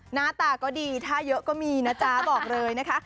หน้าตาก็ดีถ้าเยอะก็มีนะจ๊ะบอกเลยนะคะ